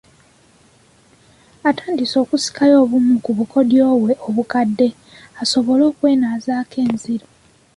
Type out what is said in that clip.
Atandise okusikayo obumu ku bukodyo bwe obukadde asobole okwenaazaako enziro